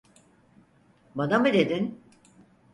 Bana mı dedin?